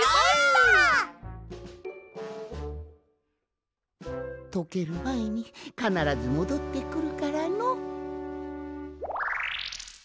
やりました！とけるまえにかならずもどってくるからの。